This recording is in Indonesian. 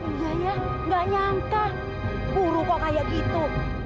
eh sejujurnya gak nyangka guru kok kayak gitu